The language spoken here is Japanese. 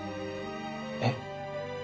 えっ？